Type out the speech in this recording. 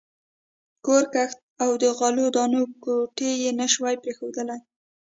کور، کښت او د غلو دانو کوټې یې نه شوای پرېښودلای.